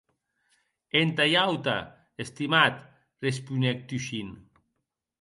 Entà ua auta, estimat, responec Tushin.